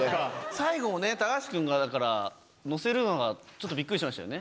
最後もね高橋くんがだからのせるのがちょっとびっくりしましたよね。